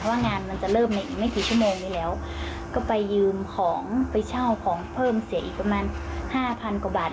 ว่างานมันจะเริ่มในอีกไม่กี่ชั่วโมงนี้แล้วก็ไปยืมของไปเช่าของเพิ่มเสียอีกประมาณห้าพันกว่าบาท